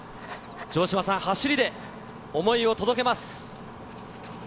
城島さん、走りで想いを届けます。